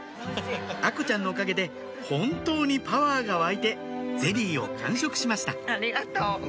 愛心ちゃんのおかげで本当にパワーが湧いてゼリーを完食しましたありがとう。